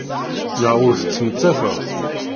Naɣ ur tettmettateḍ?